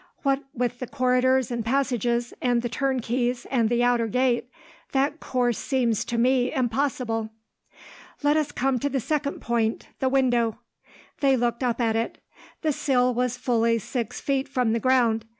What with the corridors and passages, and the turnkeys and the outer gate, that course seems to me impossible. "Let us come to the second point, the window." They looked up at it. The sill was fully six feet from the ground.